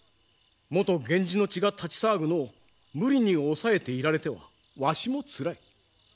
元源氏の血が立ち騒ぐのを無理に抑えていられてはわしもつらい。